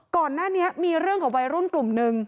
ก่อนหน้านี้มีเรื่องกับวัยรุ่นกลุ่มนึง